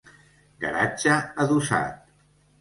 Garatge adossat.